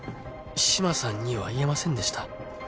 「志摩さんには言えませんでした」